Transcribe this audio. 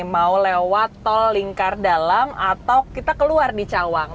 mau lewat tol lingkar dalam atau kita keluar di cawang